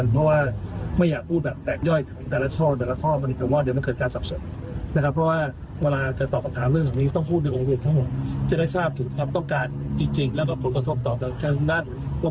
ผมยังไม่ได้บอกว่าจะไม่ให้จะเอายังไงยังไม่ได้บอก